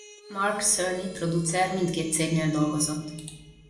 Mark Cerny producer mindkét cégnél dolgozott.